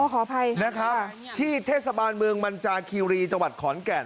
ขออภัยนะครับที่เทศบาลเมืองมันจาคีรีจังหวัดขอนแก่น